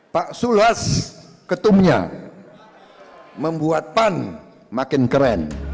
pak sulas ketumnya membuat pan makin keren